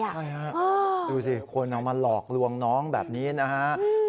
ใช่ฮะดูสิคนเอามาหลอกลวงน้องแบบนี้นะฮะ